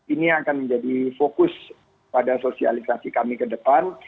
ini akan menjadi fokus pada sosialisasi kami ke depan